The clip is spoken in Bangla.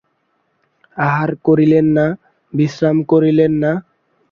আহার করিলেন না, বিশ্রাম করিলেন না।